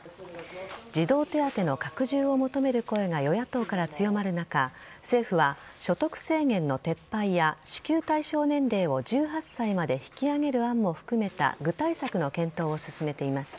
児童手当の拡充を求める声が与野党から強まる中政府は所得制限の撤廃や支給対象年齢を１８歳まで引き上げる案も含めた具体策の検討を進めています。